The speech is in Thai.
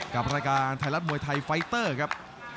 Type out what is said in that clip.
กับรายการไทยรัฐมวยไทยไฟเตอร์ครับ